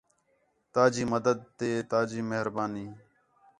تا جی مدد تے تا جی مہربانی